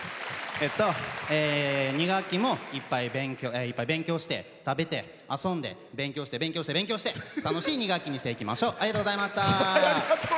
２学期もいっぱい勉強して食べて、遊んで勉強して勉強して勉強して楽しい２学期にしていきましょう。